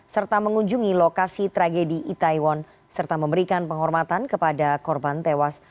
serta mengunjungi lokasi tragedi itaewon serta memberikan penghormatan kepada korban tewas